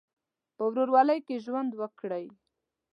په ورورولۍ کې ژوند وکړئ.